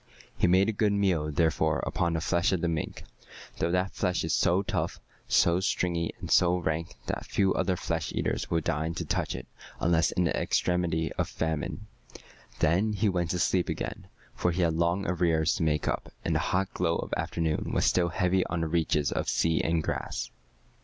He made a good meal, therefore, upon the flesh of the mink, though that flesh is so tough, so stringy, and so rank that few other flesh eaters will deign to touch it unless in the extremity of famine. Then he went to sleep again, for he had long arrears to make up, and the hot glow of afternoon was still heavy on the reaches of sea and grass. [Illustration: "And the fiery light in his brain went out."